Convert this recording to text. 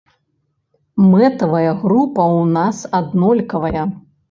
Мэтавая група ў нас аднолькавая.